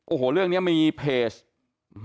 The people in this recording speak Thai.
โอ้โหเรื่องนี้มีเพจ